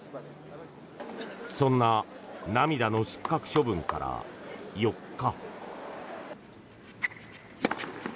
そんな涙の失格処分から４日。